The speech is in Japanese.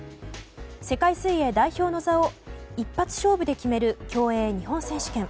世界水泳代表の座を一発勝負で決める競泳、日本選手権。